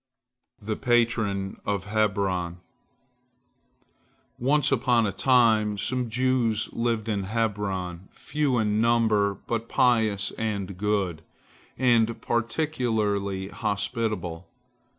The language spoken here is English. THE PATRON OF HEBRON Once upon a time some Jews lived in Hebron, few in number, but pious and good, and particularly hospitable.